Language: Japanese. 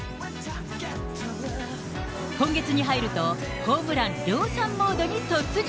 今月に入るとホームラン量産モードに突入。